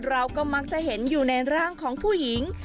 เราก็มักจะเห็นอยู่ในร่างของผู้หญิง